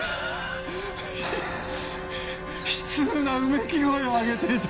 悲痛なうめき声を上げていた。